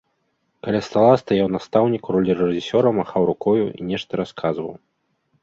Каля стала стаяў настаўнік у ролі рэжысёра, махаў рукою і нешта расказваў.